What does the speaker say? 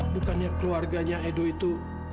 bukannya keluarganya edo itu